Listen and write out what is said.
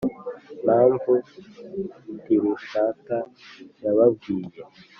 mpamvu Tirushata yababwiye